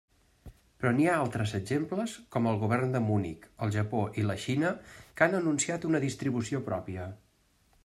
Però n'hi ha altres exemples, com el Govern de Munic, el Japó i la Xina que han anunciat una distribució pròpia.